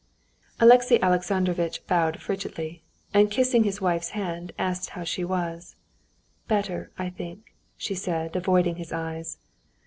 Alexey Alexandrovitch bowed frigidly, and kissing his wife's hand, asked how she was. "Better, I think," she said, avoiding his eyes.